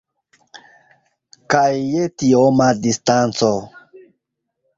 Kaj je tioma distanco!